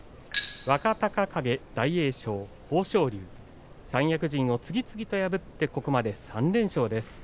若隆景、大栄翔、豊昇龍三役陣を次々と破ってここまで３連勝です。